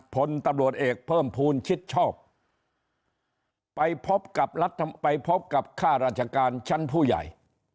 ผลตำรวจเอกเพิ่มภูมิชิดชอบไปพบกับรัฐไปพบกับค่าราชการชั้นผู้ใหญ่